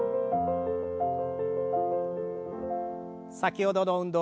先ほどの運動